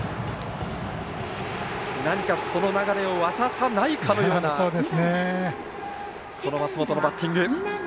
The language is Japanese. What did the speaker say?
何かその流れを渡さないかのような松本のバッティング。